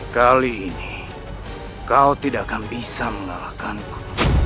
kali ini kau tidak akan bisa mengalahkanku